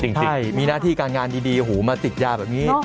จริงมีหน้าที่การงานดีหูมาติดยาแบบนี้